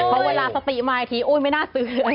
ไปเวลาสตีมายทีโอ้ยไม่น่าซื้อเลย